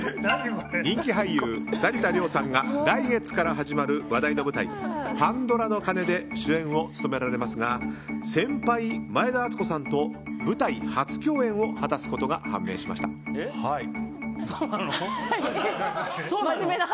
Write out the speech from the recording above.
人気俳優・成田凌さんが来月から始まる話題の舞台「パンドラの鐘」で主演を務められますが先輩・前田敦子さんと舞台初共演をそうなの？